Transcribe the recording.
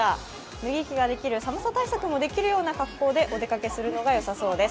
脱ぎ着ができる、寒さ対策もできるような格好でお出かけするのが良さそうです。